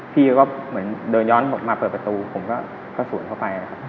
พี่ก็เหมือนเดินย้อนหมดมาเปิดประตูผมก็สวนเข้าไป